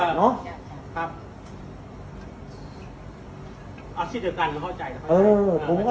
เอาชีวิตเดียวกัน